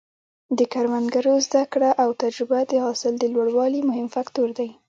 د کروندګرو زده کړه او تجربه د حاصل د لوړوالي مهم فکتور دی.